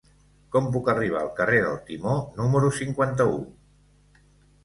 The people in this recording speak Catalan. Com puc arribar al carrer del Timó número cinquanta-u?